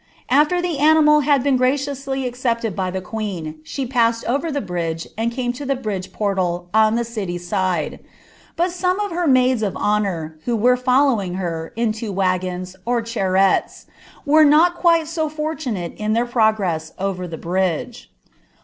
Afier the animal had Iwen gndonsly accepted by the queen, she passed over the bridge and cantA U> ibe bridge portal on the city side : but some of her maids of honour, who were following her, in two wagons, or cbarretiea,' were not quite ■0 (nrtunnle in tlieir progress over the bridge.